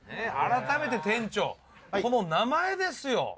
改めて店長この名前ですよ。